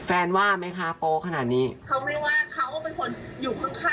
แฟนว่าไหมคะโปรขนาดนี้เขาไม่ว่าเขามันเป็นคนอยู่ข้าง